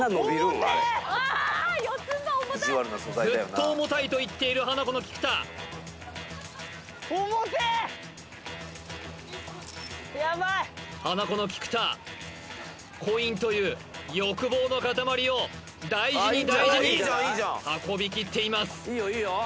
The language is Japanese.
ああ四つんばい重たいずっと重たいと言っているハナコの菊田ハナコの菊田コインという欲望の塊を大事に大事に運びきっています